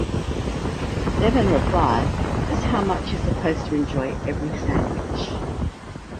Zevon replied, Just how much you're supposed to enjoy every sandwich.